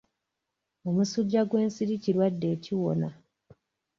Omusujja gw'ensiri kirwadde ekiwona.